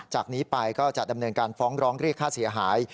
จากนี้ไปก็จะดำเนินการฟ้องร้องเรียกค่าเสียหาย